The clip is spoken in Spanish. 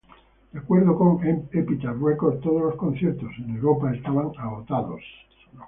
De acuerdo con Epitaph Records todos los conciertos en Europa estaban agotadas.